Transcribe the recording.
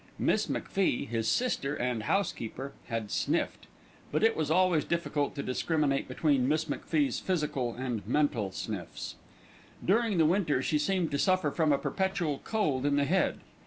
Miss MacFie, his sister and housekeeper, had sniffed; but it was always difficult to discriminate between Miss MacFie's physical and mental sniffs. During the winter she seemed to suffer from a perpetual cold in the head.